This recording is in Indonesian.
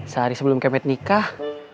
sehari sebelum kemet nikah